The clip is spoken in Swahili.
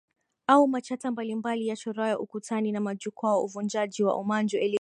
Au machata mbali mbali yachorwayo ukutani na majukwaa uvunjaji na umanju Elimu hii hulenga